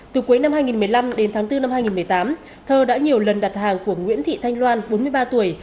từ cuối năm hai nghìn một mươi năm đến tháng bốn năm hai nghìn một mươi tám thơ đã nhiều lần đặt hàng của nguyễn thị thanh loan bốn mươi ba tuổi